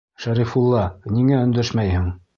Шәрифулла, ниңә өндәшмәйһең?